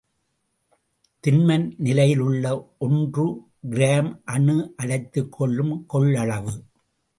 திண்ம நிலையிலுள்ள ஒன்று கிராம் அணு அடைத்துக் கொள்ளும் கொள்ளளவு.